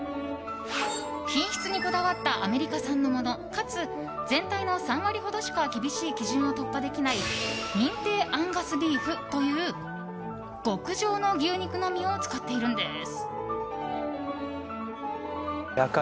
品質にこだわったアメリカ産のものかつ、全体の３割ほどしか厳しい基準を突破できない認定アンガスビーフという極上の牛肉のみを使っているんです。